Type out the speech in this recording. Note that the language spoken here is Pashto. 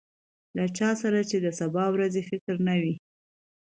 له چا سره چې د سبا ورځې فکر نه وي.